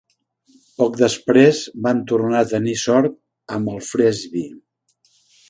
Poc després, van tornar a tenir sort amb el Frisbee.